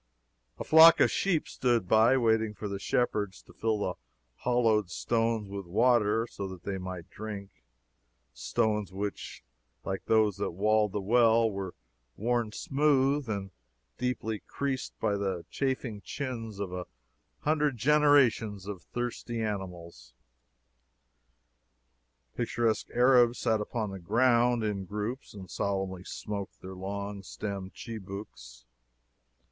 A flock of sheep stood by, waiting for the shepherds to fill the hollowed stones with water, so that they might drink stones which, like those that walled the well, were worn smooth and deeply creased by the chafing chins of a hundred generations of thirsty animals. Picturesque Arabs sat upon the ground, in groups, and solemnly smoked their long stemmed chibouks.